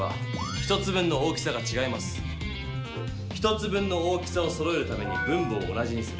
１つ分の大きさをそろえるために分母を同じにする。